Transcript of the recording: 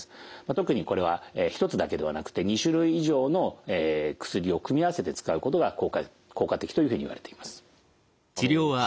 特にこれは１つだけではなくて２種類以上の薬を組み合わせて使うことが効果的というふうにいわれています。